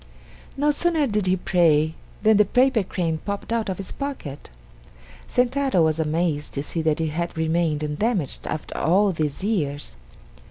No sooner did he pray than the paper crane popped out of his pocket. Sentaro was amazed to see that it had remained undamaged after all these years.